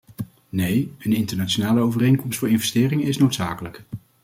Nee, een internationale overeenkomst voor investeringen is noodzakelijk.